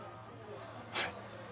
はい？